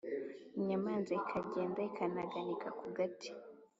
inyamanza ikagenda ikinaganika ku gati,